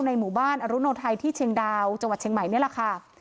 หมู่บ้านอรุโนไทยที่เชียงดาวจังหวัดเชียงใหม่นี่แหละค่ะ